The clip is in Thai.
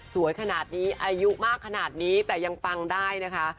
สวยขนาดนี้อายุมากขนาดนี้แต่ยังปังได้นะคะ